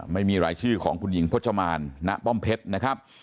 ไม่มีรายชื่อของคุณหญิงพจมานณป้อมเพชรนะครับ